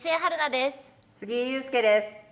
杉井勇介です。